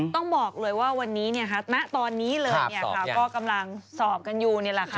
ต้องบอกเลยว่าวันนี้ณตอนนี้เลยก็กำลังสอบกันอยู่นี่แหละค่ะ